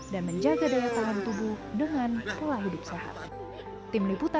dan menjaga daya tahan tubuh dengan pola hidup sehat